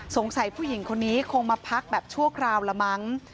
ผู้หญิงคนนี้คงมาพักแบบชั่วคราวละมั้ง